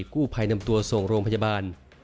กู้ภัยนำตัวส่งโรงพยาบาล